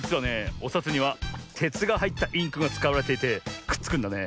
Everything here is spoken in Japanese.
おさつにはてつがはいったインクがつかわれていてくっつくんだね。